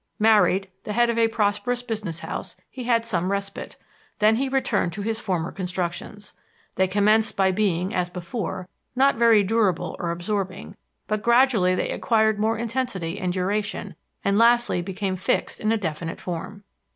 Married, the head of a prosperous business house, he had some respite; then he returned to his former constructions. "They commenced by being, as before, not very durable or absorbing; but gradually they acquired more intensity and duration, and lastly became fixed in a definite form."